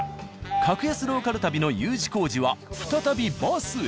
格安ローカル旅のＵ字工事は再びバスへ。